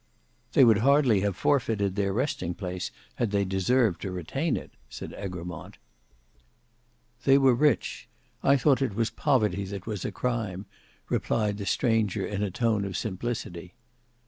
"They would hardly have forfeited their resting place had they deserved to retain it," said Egremont. "They were rich. I thought it was poverty that was a crime," replied the stranger in a tone of simplicity.